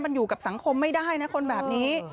มันอยู่กับสังคมไม่ได้นะคนแบบนี้